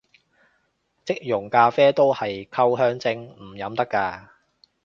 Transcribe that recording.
即溶咖啡都係溝香精，唔飲得咖